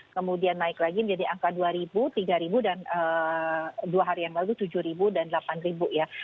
kemudian naik lagi menjadi angka dua ribu tiga ribu dan dua hari yang lalu tujuh ribu dan delapan ribu ya